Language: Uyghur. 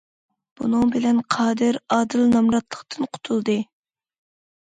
بۇنىڭ بىلەن قادىر ئادىل نامراتلىقتىن قۇتۇلدى.